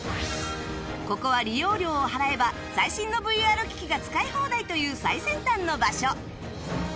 ここは利用料を払えば最新の ＶＲ 機器が使い放題という最先端の場所